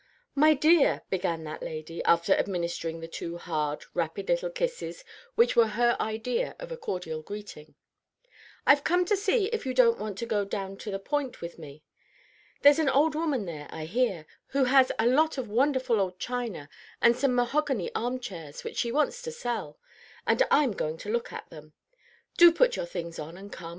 "My dear," began that lady, after administering the two hard, rapid little kisses which were her idea of a cordial greeting, "I've come to see if you don't want to go down to the Point with me. There's an old woman there, I hear, who has a lot of wonderful old china and some mahogany arm chairs which she wants to sell, and I'm going to look at them. Do put your things on, and come.